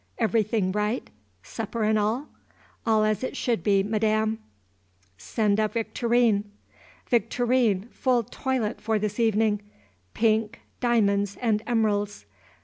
Everything right? supper and all?" "All as it should be, Madam." "Send up Victorine." "Victorine, full toilet for this evening, pink, diamonds, and emeralds.